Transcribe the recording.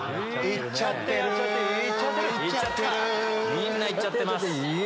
みんないっちゃってます。